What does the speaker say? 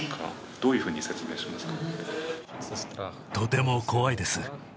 どういうふうに説明しますか？